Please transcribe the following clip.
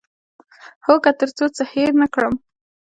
هو، که تر څو څه هیر نه کړم